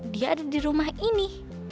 dia ada dirumah ini